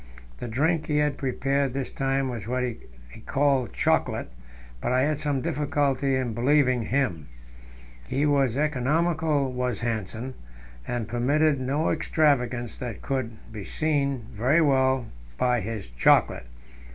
The drink he had prepared this time was what he called chocolate, but I had some difficulty in believing him. He was economical, was Hanssen, and permitted no extravagance; that could be seen very well by his chocolate.